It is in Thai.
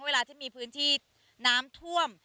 เวลาที่มีพื้นที่น้ำท่วม